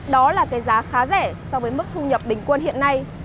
đó là cái giá khá rẻ so với mức thu nhập bình quân hiện nay